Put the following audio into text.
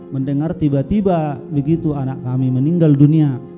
mendengar tiba tiba begitu anak kami meninggal dunia